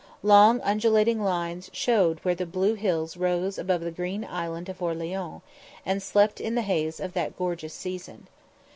Long undulating lines showed where the blue hills rose above the green island of Orleans, and slept in the haze of that gorgeous season.